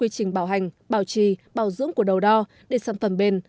tùy theo quy trình bảo hành bảo trì bảo dưỡng của đầu đo để sẵn phẩm bền